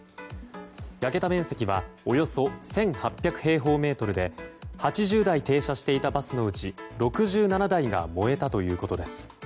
焼けた面積はおよそ１８００平方メートルで８０台停車していたバスのうち６７台が燃えたということです。